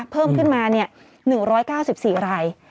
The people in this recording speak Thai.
เพิ่มขึ้นมาเนี่ย๑๙๔ราย